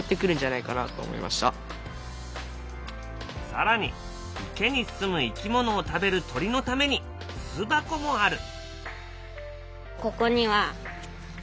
更に池にすむ生き物を食べる鳥のために巣箱もある。